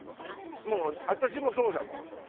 もう私もそうだもん。